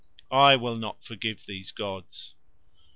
I will not forgive these gods."